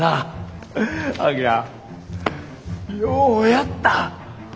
章ようやった！